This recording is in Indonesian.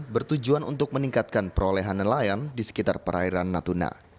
bertujuan untuk meningkatkan perolehan nelayan di sekitar perairan natuna